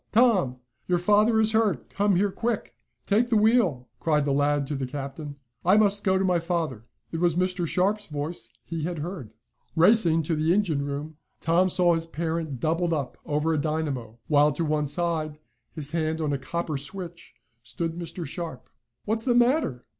Tom! Your father is hurt! Come here, quick!" "Take the wheel!" cried the lad to the captain. "I must go to my father." It was Mr. Sharp's voice he had heard. Racing to the engine room, Tom saw his parent doubled up over a dynamo, while to one side, his hand on a copper switch, stood Mr. Sharp. "What's the matter?"